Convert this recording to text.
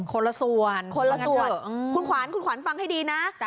คนละส่วนคนละส่วนคุณขวัญคุณขวัญฟังให้ดีนะ